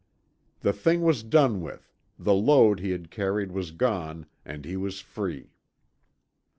The thing was done with, the load he had carried was gone, and he was free.